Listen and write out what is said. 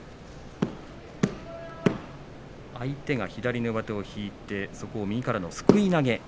相手が左の上手を引いて、そこを右からのすくい投げ。